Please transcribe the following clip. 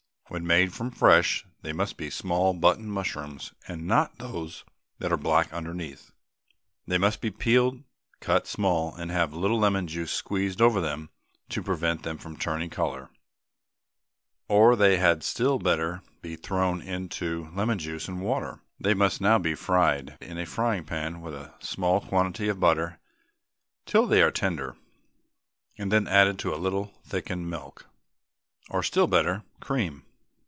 When made from fresh they must be small button mushrooms, and not those that are black underneath. They must be peeled, cut small, and have a little lemon juice squeezed over them to prevent them turning colour, or they had still better be thrown into lemon juice and water. They must now be fried in a frying pan with a small quantity of butter till they are tender, and then added to a little thickened milk, or still better, cream.